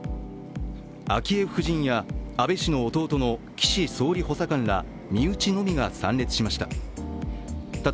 昭恵夫人や安倍氏の弟の岸総理補佐官ら身内のみが参列しました。